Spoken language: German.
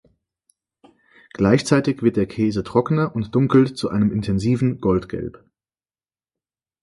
Gleichzeitig wird der Käse trockener und dunkelt zu einem intensiven Goldgelb.